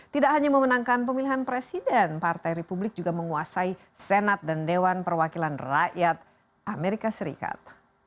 tidak hanya memenangkan pemilihan presiden partai republik juga menguasai senat dan dewan perwakilan rakyat amerika serikat